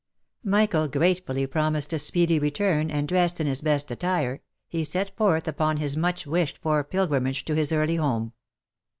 Michael gratefully promised a speedy return, and dressed in his best attire, he set forth upon his much wished for pilgrimage to his early home.